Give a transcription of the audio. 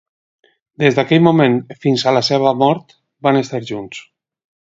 Des d'aquell moment fins a la seva mort, van estar junts.